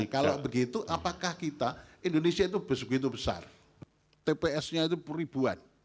kalau begitu apakah kita indonesia itu begitu besar tpsnya itu peribuan